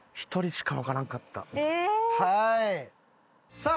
さあ